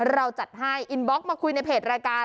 เราจัดให้อินบล็อกมาคุยในเพจรายการ